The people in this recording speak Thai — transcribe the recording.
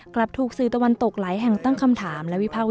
กลับถูกซื้อตะวันตกไหลแห่งตั้งคำถาม